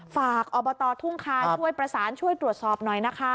ฝากอบตทุ่งคาช่วยประสานช่วยตรวจสอบหน่อยนะคะ